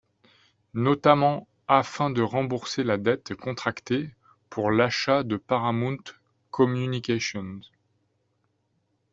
Notamment afin de rembourser la dette contractée pour l'achat de Paramount Communications.